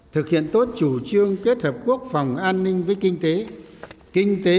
thực hiện tốt chủ trương kết hợp quốc phòng an ninh với kinh tế